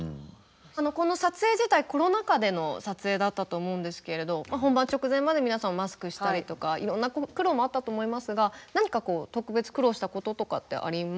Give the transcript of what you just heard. この撮影自体コロナ禍での撮影だったと思うんですけれど本番直前まで皆さんマスクしたりとかいろんな苦労もあったと思いますが何かこう特別苦労したこととかってありますか？